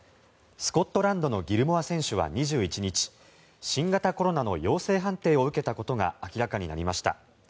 スコットランドのギルモア選手は２１日、新型コロナの陽性判定を受けたことが明らかになりました。